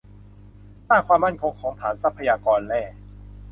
สร้างความมั่นคงของฐานทรัพยากรแร่